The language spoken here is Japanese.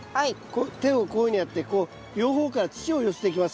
手をこういうふうにやって両方から土を寄せていきます